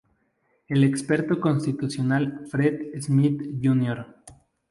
El experto constitucional Fred Smith Jr.